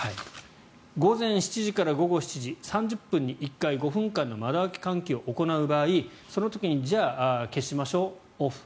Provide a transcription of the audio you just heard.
午前７時から午後７時３０分に１回５分間の窓開け換気を行う場合その時に消しましょう、オフ。